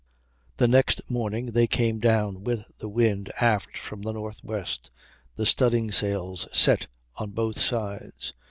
The next morning they came down with the wind aft from the northwest, the studding sails set on both sides.